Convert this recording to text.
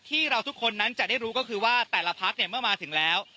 ทุกคนนั้นจะได้รู้ก็คือว่าแต่ละพักเนี่ยเมื่อมาถึงแล้ว